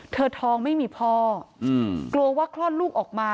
ท้องไม่มีพ่อกลัวว่าคลอดลูกออกมา